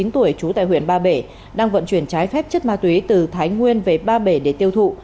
chín mươi tuổi trú tại huyện ba bể đang vận chuyển trái phép chất ma túy từ thái nguyên về ba bể để tiêu thụ